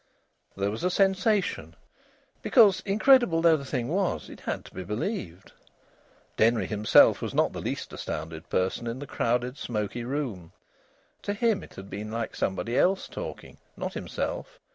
There was a sensation, because, incredible though the thing was, it had to be believed. Denry himself was not the least astounded person in the crowded, smoky room. To him, it had been like somebody else talking, not himself.